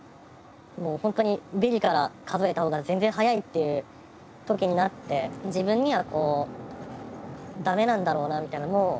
もう本当にビリから数えた方が全然早いっていう時になって自分にはダメなんだろうなみたいな。